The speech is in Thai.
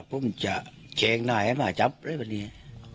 พูมจะเชคหน้าให้มาจับเลยปะเนี้ย